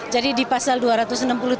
jadi diberikan alasan pk kami